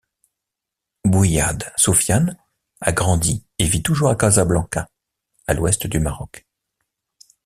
Bouayyad Soufyane a grandi et vit toujours à Casablanca, à l'ouest du Maroc.